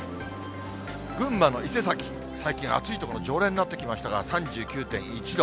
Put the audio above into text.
群馬の伊勢崎、最近、暑い所の常連になってきましたが、３９．１度。